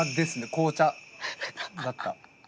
紅茶だった。